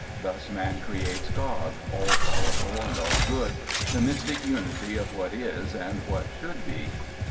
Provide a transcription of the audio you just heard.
Thus Man creates God, all powerful and all good, the mystic unity of what is and what should be.